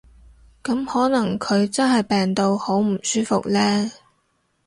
噉可能佢真係病到好唔舒服呢